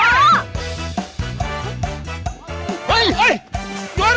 เฮ้ยเฮ้ยเฮ้ยเฮ้ยเฮ้ย